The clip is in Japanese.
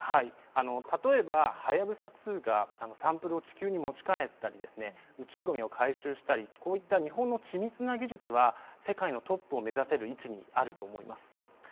例えば「はやぶさ２」がサンプルを地球に持ち帰ったりですね、宇宙ごみを回収したりこうした日本の緻密な技術は世界のトップを目指せる位置にあると思います